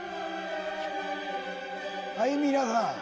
はい、皆さん。